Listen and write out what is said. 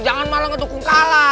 jangan malah ngedukung kalah